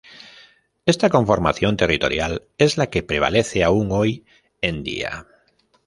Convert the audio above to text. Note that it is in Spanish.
Esta conformación territorial es la que prevalece aún hoy en día.